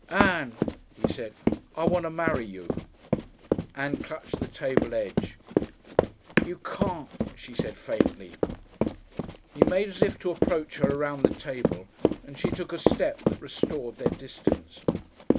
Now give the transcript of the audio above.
"Ann," he said. "I want to marry you." Ann clutched the table edge. "You can't," she said faintly. He made as if to approach her around the table, and she took a step that restored their distance.